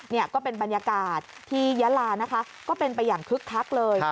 นี่ก็เป็นบรรยากาศที่ยะลานะคะก็เป็นไปอย่างคึกคักเลย